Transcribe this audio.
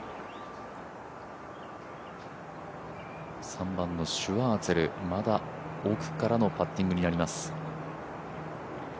３番のシュワーツェル、まだ奥からのパッティングになります。